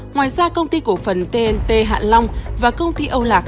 ngoài ra công ty cổ phần tnt hạ long và công ty âu lạc